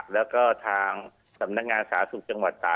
แล้วก็ทางสำนักงานสาธารณสุขจังหวัดตา